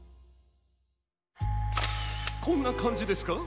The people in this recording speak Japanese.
こんなかんじですか？